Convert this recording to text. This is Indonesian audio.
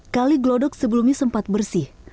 kali glodok sebelumnya sempat bersih